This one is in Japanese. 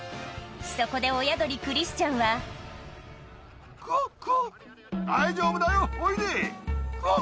そこで親鳥クリスチャンはほら。